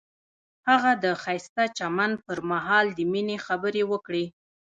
هغه د ښایسته چمن پر مهال د مینې خبرې وکړې.